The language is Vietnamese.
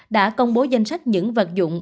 đã công bố danh sách những vật dụng